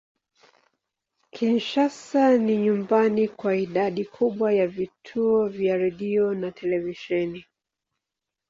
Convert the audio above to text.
Kinshasa ni nyumbani kwa idadi kubwa ya vituo vya redio na televisheni.